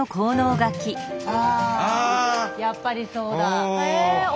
ああやっぱりそうだ。